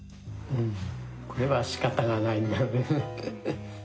うんこれはしかたがないんだね。